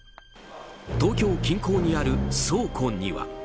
東京近郊にある倉庫には。